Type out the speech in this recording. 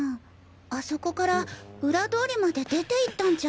あそこから裏通りまで出ていったんじゃ。